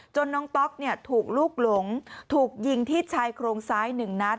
น้องต๊อกถูกลูกหลงถูกยิงที่ชายโครงซ้าย๑นัด